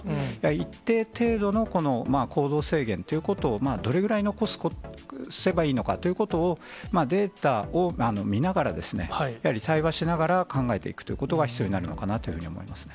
一定程度の行動制限ということをどれぐらい残せばいいのかということを、データを見ながら、やはり対話しながら、考えていくということが必要になるのかなというふうに思いますね。